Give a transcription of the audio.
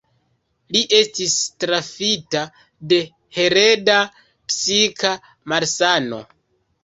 Li estis trafita de hereda psika malsano.